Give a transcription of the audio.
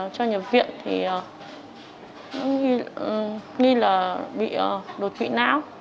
cho nhập viện thì nghi là bị đột thị não